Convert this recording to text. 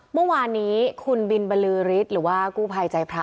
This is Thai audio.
เมื่อวานนี้คุณบินบรือฤทธิ์หรือว่ากู้ภัยใจพระ